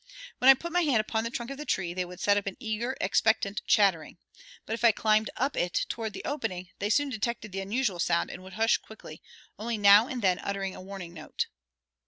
When I put my hand upon the trunk of the tree, they would set up an eager, expectant chattering; but if I climbed up it toward the opening, they soon detected the unusual sound and would hush quickly, only now and then uttering a warning note.